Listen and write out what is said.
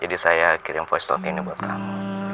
jadi saya kirim voice note ini buat kamu